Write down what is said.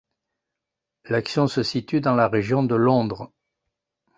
L'action se situe dans la région de Londres.